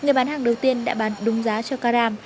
người bán hàng đầu tiên đã bán đúng giá cho karam